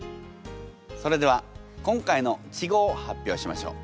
それでは今回の稚語を発表しましょう。